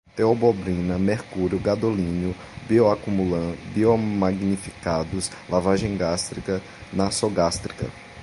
teobromina, mercúrio, gadolínio, bioacumulam, biomagnificados, lavagem gástrica, nasogástrica